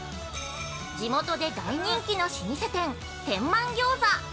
◆地元で大人気の老舗店典満餃子。